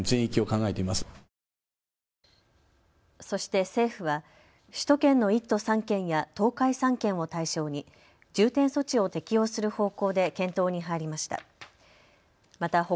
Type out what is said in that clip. そして政府は首都圏の１都３県や東海３県を対象に重点措置を適用する方向で検討に入りました。